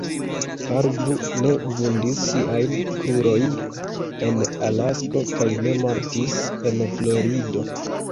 Parvu ne vundis siajn krurojn en Alasko kaj ne mortis en Florido.